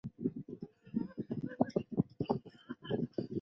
工商管理学是研究工商企业经营管理的学问。